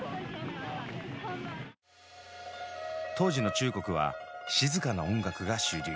当時の中国は静かな音楽が主流。